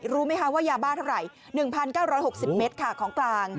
รู้ไหมคะว่ายาบ้าเท่าไหร่๑๙๖๐เมตรค่ะของกลาง